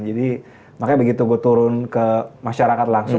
jadi makanya begitu gue turun ke masyarakat langsung